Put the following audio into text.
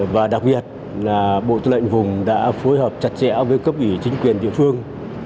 và đặc biệt là bộ tư lệnh vùng đã phối hợp chặt chẽ với cấp ủy chính quyền địa phương